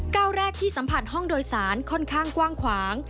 ก้าวแรกที่สัมผัสห้องโดยสารค่อนข้างกว้างขวาง